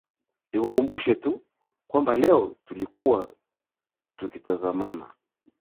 nikukumbushe tu kwamba leo tulikuwa tukitazama